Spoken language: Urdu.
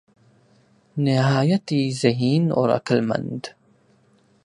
نہایت ہی ذہین اور عقل مند